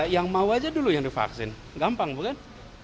yang mau aja dulu yang divaksin gampang bukan